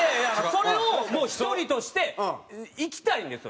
それをもう１人として行きたいんですよ